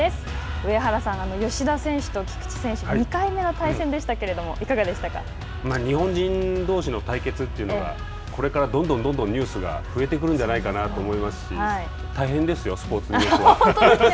上原さん、吉田選手と菊池選手、２回目の対戦でしたけれども、日本人どうしの対決というのがこれから、どんどんどんどんニュースが増えてくるんじゃないかなと思いますし、大変ですよ、スポーツニュースは。